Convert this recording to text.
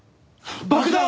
爆弾！